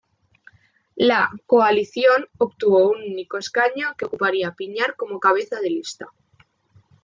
La coalición obtuvo un único escaño que ocuparía Piñar como cabeza de lista.